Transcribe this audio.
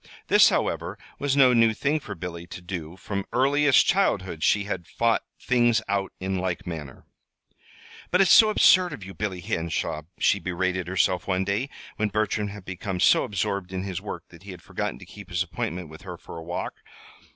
This, however, was no new thing for Billy to do From earliest childhood she had fought things out in like manner. "But it's so absurd of you, Billy Henshaw," she berated herself one day, when Bertram had become so absorbed in his work that he had forgotten to keep his appointment with her for a walk.